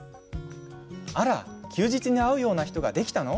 あら、休日に会うような人ができたの？